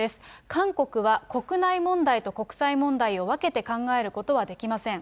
韓国は国内問題と国際問題を分けて考えることはできません。